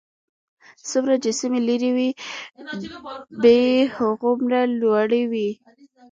څومره چې سیمه لرې وي بیې هغومره لوړې وي